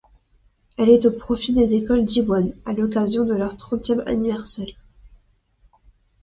Elle est au profit des écoles Diwan, à l'occasion de leur trentième anniversaire.